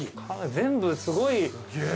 全部すごい。